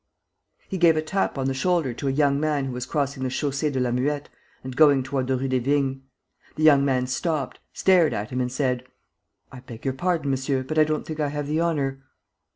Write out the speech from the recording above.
He gave a tap on the shoulder to a young man who was crossing the Chaussee de la Muette and going toward the Rue des Vignes. The young man stopped, stared at him and said: "I beg your pardon, monsieur, but I don't think I have the honor